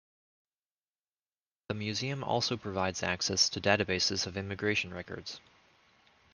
The museum also provides access to databases of immigration records.